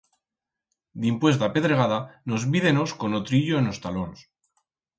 Dimpués d'a pedregada, nos vídenos con o trillo en os talons.